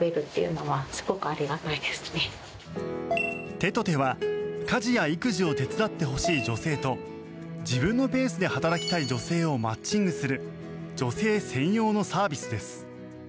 「てとて」は家事や育児を手伝ってほしい女性と自分のペースで働きたい女性をマッチングする女性専用のサービスです。